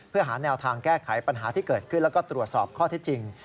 เพื่อหาแนวทางแก้ไขปัญหาที่เกิดขึ้นแล้วก็ตรวจสอบข้อเท็จจริง